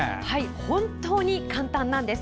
本当に簡単なんです。